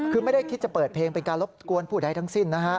คือไม่ได้คิดจะเปิดเพลงเป็นการรบกวนผู้ใดทั้งสิ้นนะฮะ